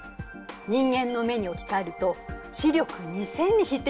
人間の目に置き換えると視力２，０００に匹敵するのよ。